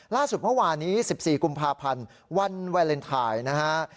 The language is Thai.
เมื่อวานี้๑๔กุมภาพันธ์วันวาเลนไทยนะฮะ